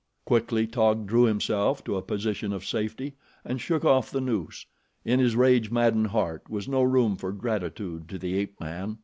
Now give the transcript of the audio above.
Quickly Taug drew himself to a position of safety and shook off the noose. In his rage maddened heart was no room for gratitude to the ape man.